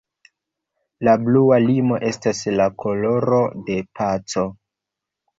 La blua limo estas la koloro de paco.